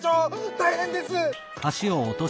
たいへんです！」。